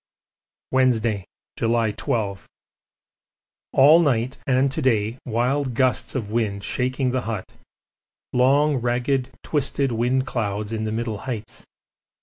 Wednesday, July 12. All night and to day wild gusts of wind shaking the hut; long, ragged, twisted wind cloud in the middle heights.